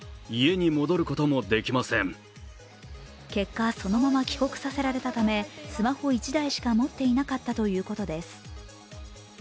結果、そのまま帰国させられたためスマホ１台しか持っていなかったということです。